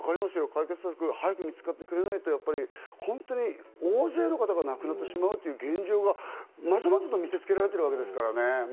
解決策が早く見つかってくれないと、本当に大勢の方が亡くなってしまうという現状が、まざまざと見せ付けられているわけですからね。